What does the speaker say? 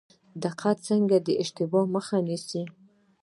دقت څنګه د اشتباه مخه نیسي؟